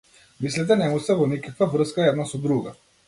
Мислите не му се во никаква врска една со друга.